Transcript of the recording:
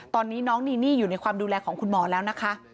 ตอนนี้น้องนีนี่อยู่ในความดูแลของคุณหมอแล้วนะคะ